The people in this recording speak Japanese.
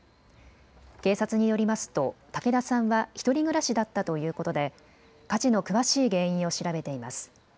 警察によりますと竹田さんは１人暮らしだったということで火事の詳しい原因を調べています。